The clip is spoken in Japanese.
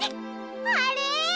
あれ！？